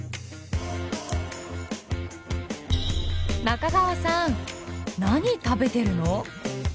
中川さん何食べてるの？